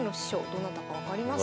どなたか分かりますか？